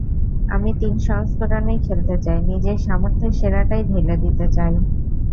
আমি তিন সংস্করণেই খেলতে চাই, নিজের সামর্থ্যের সেরাটাই ঢেলে দিতে চাই।